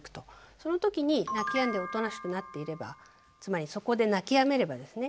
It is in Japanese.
そのときに泣きやんでおとなしくなっていればつまりそこで泣きやめればですね